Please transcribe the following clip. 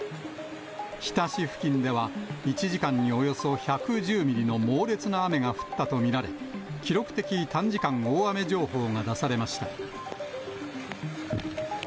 日田市付近では、１時間におよそ１１０ミリの猛烈な雨が降ったと見られ、記録的短時間大雨情報が出されました。